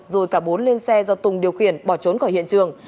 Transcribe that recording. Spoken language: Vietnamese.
rồi cả bốn lên xe do tùng điều khiển bỏ trốn khỏi hiện trường